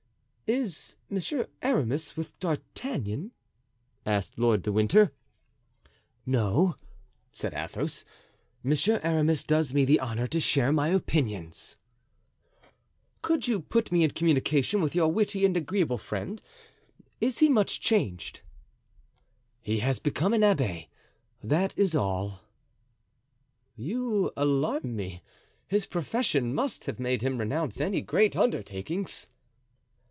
"Is Monsieur Aramis with D'Artagnan?" asked Lord de Winter. "No," said Athos; "Monsieur Aramis does me the honor to share my opinions." "Could you put me in communication with your witty and agreeable friend? Is he much changed?" "He has become an abbé, that is all." "You alarm me; his profession must have made him renounce any great undertakings."